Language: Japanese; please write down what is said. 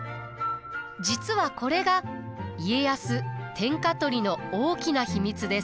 実はこれが家康天下取りの大きな秘密です。